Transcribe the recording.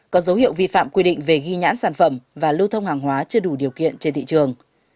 có dấu hiệu vi phạm quy định về ghi nhãn sản phẩm và lưu thông hàng hóa chưa đủ điều kiện trên thị trường